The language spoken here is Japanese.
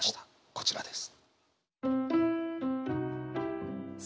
こちらです。